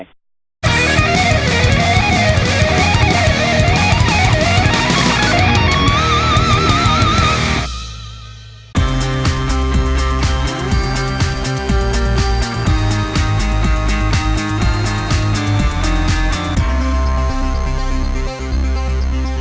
โปรดติดตามตอนต่อไป